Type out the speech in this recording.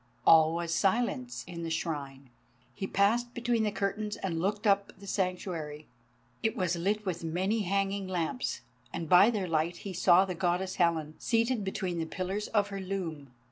All was silence in the Shrine. He passed between the curtains and looked up the Sanctuary. It was lit with many hanging lamps, and by their light he saw the Goddess Helen, seated between the pillars of her loom.